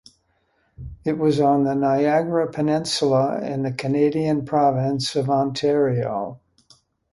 It was on the Niagara Peninsula in the Canadian province of Ontario.